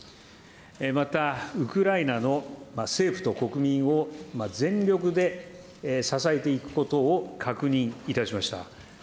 またウクライナの政府と国民を全力で支えていくことを確認いたしました。